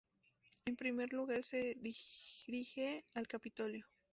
En primer lugar se dirige al Capitolio.